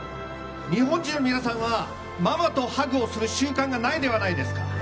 日本人の皆さんはママとハグをする習慣がないではないですか。